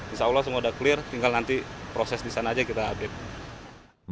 insya allah semua sudah clear tinggal nanti proses di sana aja kita update